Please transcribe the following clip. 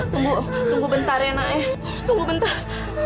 tunggu bentar ya nae tunggu bentar